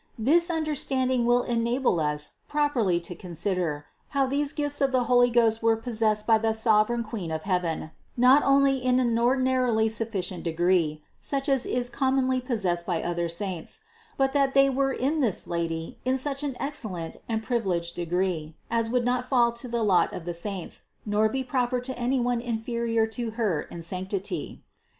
This understanding will en able us properly to consider, how these gifts of the Holy Ghost were possessed by the sovereign Queen of heaven not only in an ordinarily sufficient degree, such as is com monly possessed by other saints ; but that they were in this Lady in such an excellent and privileged a degree, as would not fall to the lot of the saints, nor be proper to anyone inferior to Her in sanctity.